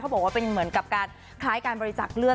บอกว่าเป็นเหมือนกับการคล้ายการบริจักษ์เลือด